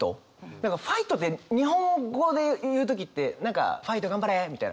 何か「ファイト」って日本語で言う時って何か「ファイト頑張れ！」みたいな。